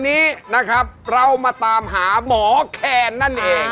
วันนี้นะครับเรามาตามหาหมอแคนนั่นเอง